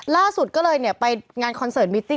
ล่าสุดก็เลยไปงานคอนเสิร์ตมิตติ้